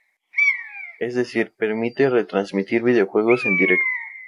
Es decir, permite retransmitir videojuegos en directo.